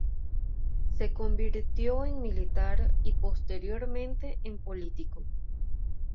Se convirtió en militar y posteriormente en político.